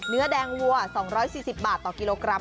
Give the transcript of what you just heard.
เนื้อแดงวัว๒๔๐บาทต่อกิโลกรัม